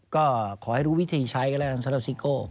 ก็ขอให้รู้วิธีใช้กันแล้วกันสำหรับซิโก้